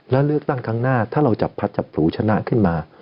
แล้วเลือกตั้งครั้งหน้าถ้าเราจับพัดจับผลูชนะขึ้นมา